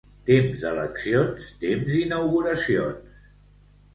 Temps d'eleccions, temps d'inauguracions.